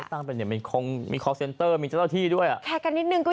ไม่ตั้งเป็นเดียวมีคอร์คเซ็นเตอร์มีเจ้าเต้าที่ด้วยอ่ะ